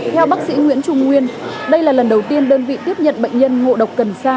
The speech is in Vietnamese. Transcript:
trong bệnh viện trung tâm đã tiếp nhận nhiều trường hợp ngộ độc cần sa